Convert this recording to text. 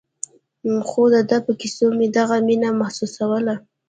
خو د ده په کيسو مې دغه مينه محسوسوله.